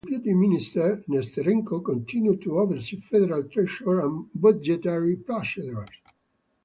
As Deputy Minister Nesterenko continued to oversee Federal Treasury and budgetary procedures.